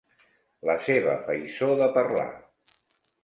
La seva faisó de parlar.